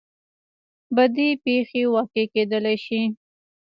بدې پېښې واقع کېدلی شي.